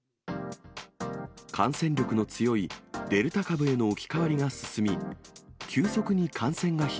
感染力の強いデルタ株への置き換わりが進み、急速に感染が広